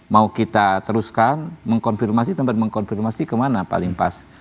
mau kita teruskan mengkonfirmasi tempat mengkonfirmasi kemana paling pas